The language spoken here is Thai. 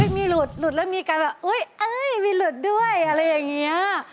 มีหลุดหลุดแล้วมีการแบบเอ้ยมีหลุดด้วยอะไรอย่างนี้